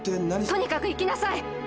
とにかく行きなさい！